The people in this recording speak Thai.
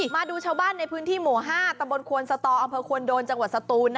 มาดูชาวบ้านในพื้นที่หมู่๕ตำบลควนสตออำเภอควนโดนจังหวัดสตูน